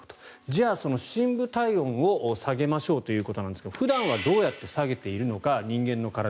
じゃあ、その深部体温を下げましょうということなんですが普段はどうやって下げているのか人間の体。